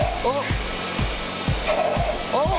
あっ！